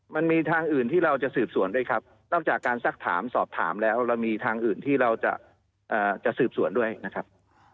มันมีทางอื่นที่เราจะสืบสวนด้วยครับนอกจากการซักถามสอบถามแล้วเรามีทางอื่นที่เราจะสืบสวนด้วยนะครับ